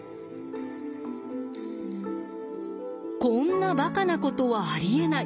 こんなバカなことはありえない。